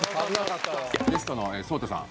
ゲストのＳＯＴＡさん